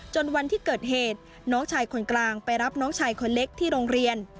วันที่เกิดเหตุน้องชายคนกลางไปรับน้องชายคนเล็กที่โรงเรียน